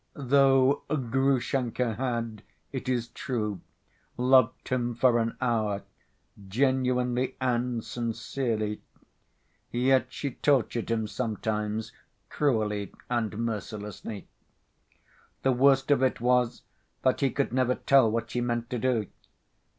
Though Grushenka had, it is true, loved him for an hour, genuinely and sincerely, yet she tortured him sometimes cruelly and mercilessly. The worst of it was that he could never tell what she meant to do.